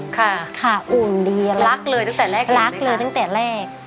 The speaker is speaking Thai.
ค่ะค่ะอุ่นดีรักเลยตั้งแต่แรกรักเลยตั้งแต่แรก